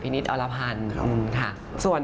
พินิศอัลละพันธ์